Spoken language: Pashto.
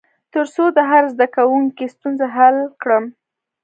تر څو د هر زده کوونکي ستونزه حل کړم.